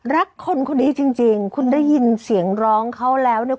รักคนคนนี้จริงจริงคุณได้ยินเสียงร้องเขาแล้วเนี่ย